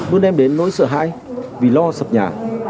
luôn đem đến nỗi sợ hãi vì lo sập nhà